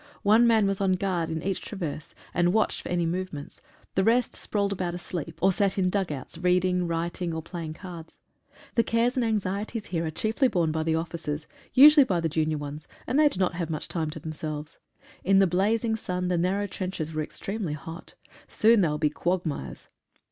One man was on guard in each traverse, and watched for any movements, the rest sprawled about asleep, or sat in dug outs, writing, reading, or playing cards. The cares and anxieties here are borne chiefly by the officers, usually by the junior ones, and they do not have much time to themselves. In the blazing sun the narrow trenches were extremely hot — soon they will be quag mires.